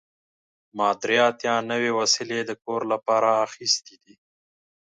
ما درې اتیا نوې وسیلې د کور لپاره اخیستې دي.